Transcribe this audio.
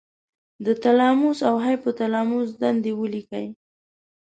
د تلاموس او هایپو تلاموس دندې ولیکئ.